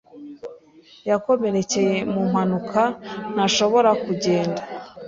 Yakomerekeye mu mpanuka, ntashobora kugenda.